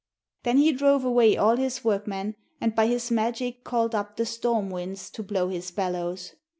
Then he drove away all his workmen, and by his magic called up the storm winds to blow his bellows.